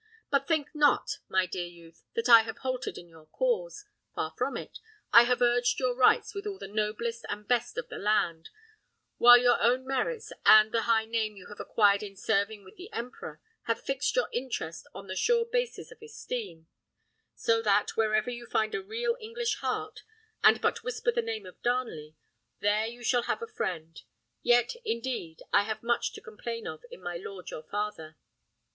But think not, my dear youth, that I have halted in your cause! Far from it; I have urged your rights with all the noblest and best of the land; while your own merits, and the high name you have acquired in serving with the emperor, have fixed your interest on the sure basis of esteem; so that, wherever you find a real English heart, and but whisper the name of Darnley, there you shall have a friend; yet, indeed, I have much to complain of in my lord your father."